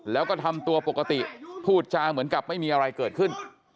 แล้วก็ทำตัวปกติพูดจาเหมือนกับไม่มีอะไรเกิดขึ้น